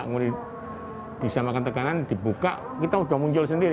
mulai bisa makan tekanan dibuka kita sudah muncul sendiri